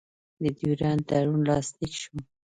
د ډیورنډ تړون لاسلیک شو.